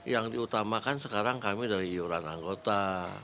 yang diutamakan sekarang kami dari iuran anggota